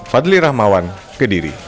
fadli rahmawan kediri